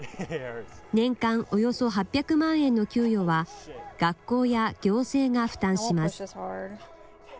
年間およそ８００万円の給与は、学校や行政が負担します。